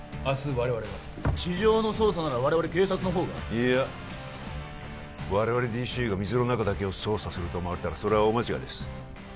明日我々が地上の捜査なら我々警察のほうがいや我々ＤＣＵが水の中だけを捜査すると思われたらそれは大間違いです